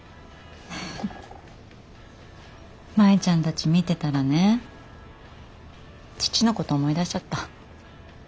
舞ちゃんたち見てたらね父のこと思い出しちゃった。